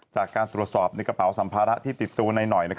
จากการตรวจสอบในกระเป๋าสัมภาระที่ติดตัวในหน่อย